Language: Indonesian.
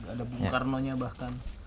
ada bung karno nya bahkan